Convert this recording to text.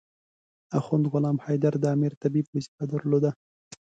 اخند غلام حیدر د امیر طبيب وظیفه درلوده.